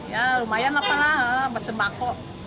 ya lumayan lah buat sembako